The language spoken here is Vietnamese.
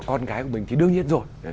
con gái của mình thì đương nhiên rồi